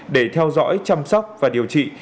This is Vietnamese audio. để theo dõi chăm sóc và điều trị